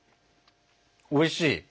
おいしい。